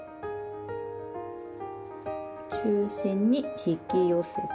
中心に引き寄せて。